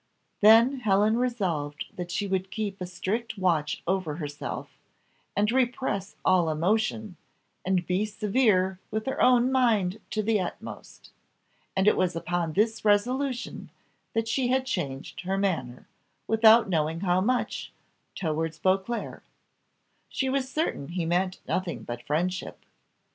Then Helen resolved that she would keep a strict watch over herself, and repress all emotion, and be severe with her own mind to the utmost: and it was upon this resolution that she had changed her manner, without knowing how much, towards Beauclerc; she was certain he meant nothing but friendship.